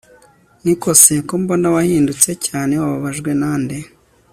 niko se ko mbona wahindutse cyane wababajwe nande!